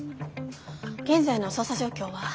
現在の捜査状況は？